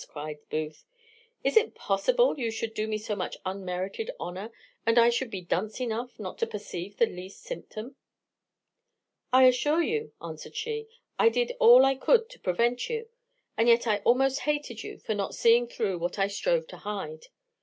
cries Booth, "is it possible you should do me so much unmerited honour, and I should be dunce enough not to perceive the least symptom?" "I assure you," answered she, "I did all I could to prevent you; and yet I almost hated you for not seeing through what I strove to hide.